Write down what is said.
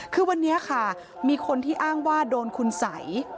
คือวันนี้ค่ะมีคนที่อ้างว่าโดนคุณสัย